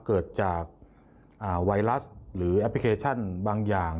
เกิดจากไวรัสหรือแอปพลิเคชันบางอย่าง